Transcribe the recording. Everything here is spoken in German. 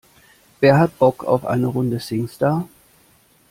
Wer hat Bock auf eine Runde Singstar?